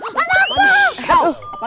berdua nih istriku